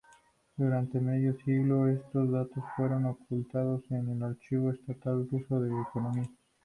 Durante medio siglo, estos datos fueron ocultados en el Archivo Estatal Ruso de Economía.